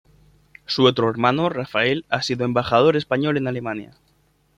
Su otro hermano Rafael ha sido embajador español en Alemania.